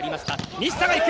西田が行く！